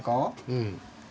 うん。